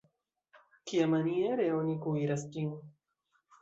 Kiamaniere oni kuiras ĝin?